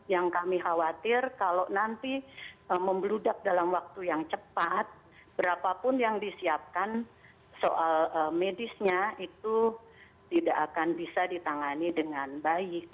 yang kami khawatir kalau nanti membludak dalam waktu yang cepat berapapun yang disiapkan soal medisnya itu tidak akan bisa ditangani dengan baik